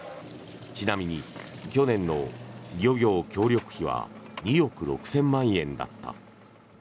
ちなみに去年の漁業協力費は２億６０００万円だった。